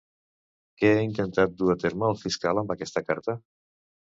Què ha intentat dur a terme el fiscal amb aquesta carta?